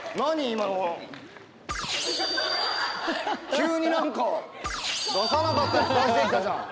急に何か出さなかったやつ出してきたじゃん。